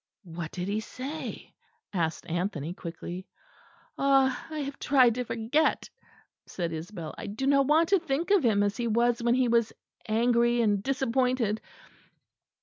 "What did he say?" asked Anthony quickly. "Ah! I have tried to forget," said Isabel. "I do not want to think of him as he was when he was angry and disappointed.